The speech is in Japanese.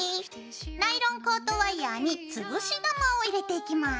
ナイロンコートワイヤーにつぶし玉を入れていきます。